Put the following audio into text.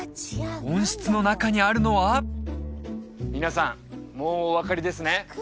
温室の中にあるのは皆さんもうお分かりですね？